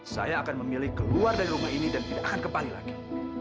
saya akan memilih keluar dari rumah ini dan tidak akan kembali lagi